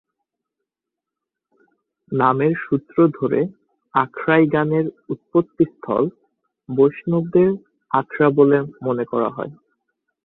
নামের সূত্র ধরে আখড়াই গানের উৎপত্তিস্থল বৈষ্ণবদের আখড়া বলে মনে করা হয়।